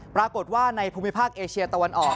ปรากฏว่าในภูมิภาคเอเชียตะวันออก